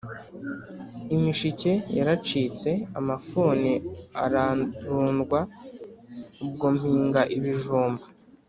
Imishike yaracitseAmafuni ararundwa, Ubwo mpinga ibijumba,